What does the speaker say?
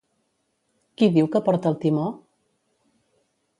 Qui diu que porta el timó?